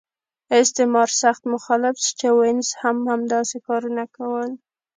استعمار سخت مخالف سټیونز هم همداسې کارونه کول.